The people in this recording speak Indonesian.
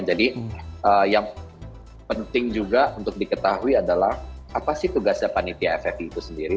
jadi yang penting juga untuk diketahui adalah apa sih tugasnya panitia ff itu sendiri